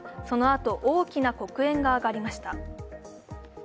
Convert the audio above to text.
そのあと、大きな黒煙が上がりました。